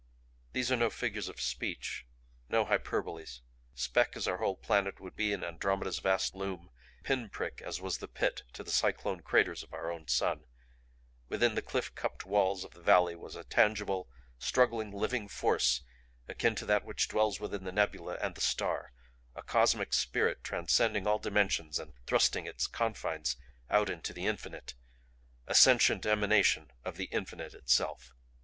These are no figures of speech, no hyperboles speck as our whole planet would be in Andromeda's vast loom, pinprick as was the Pit to the cyclone craters of our own sun, within the cliff cupped walls of the valley was a tangible, struggling living force akin to that which dwells within the nebula and the star; a cosmic spirit transcending all dimensions and thrusting its confines out into the infinite; a sentient emanation of the infinite itself.